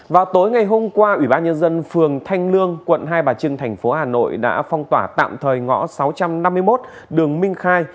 vào tối ngày hôm qua ủy ban nhân dân phường thanh lương quận hai bà trưng thành phố hà nội đã phong tỏa tạm thời ngõ sáu trăm năm mươi một đường minh khai